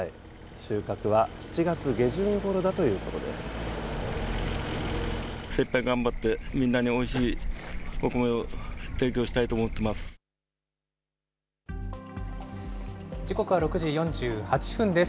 収穫は７月下旬ごろだということ時刻は６時４８分です。